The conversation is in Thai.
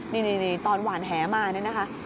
นี่ตอนหวานแหมาเนี่ยนะคะ